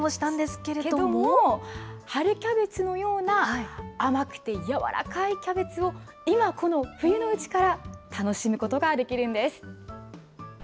けども、春キャベツのような甘くて軟らかいキャベツを今この冬のうちから楽しむことができるんです。